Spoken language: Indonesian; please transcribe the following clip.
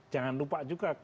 jangan lupa juga